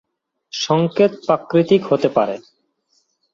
সংকেত প্রাকৃতিক হতে পারে।